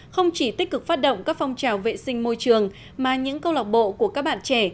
không chỉ tích cực phát động các phong trào vệ sinh môi trường mà những câu lạc bộ của các bạn trẻ